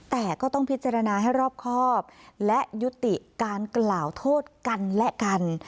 แต่ก็ต้องพิจารณาให้รอบครอบและยุติการกล่าวโทษกันและกัน